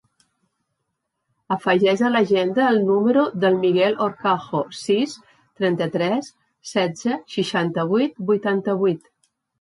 Afegeix a l'agenda el número del Miguel Horcajo: sis, trenta-tres, setze, seixanta-vuit, vuitanta-vuit.